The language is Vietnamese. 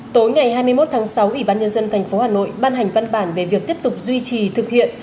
tối ngày hai mươi một tháng sáu ủy ban nhân dân tp hà nội ban hành văn bản về việc tiếp tục duy trì thực hiện